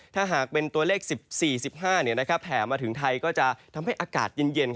ถ้าหากเป็นตัวเลข๑๔๑๕แผ่มาถึงไทยก็จะทำให้อากาศเย็น